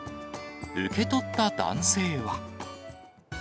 受け取った男性は。